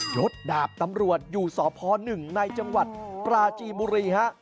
รถดาบตำรวจอยู่ส๑ในจังหวัดปราจีบุรี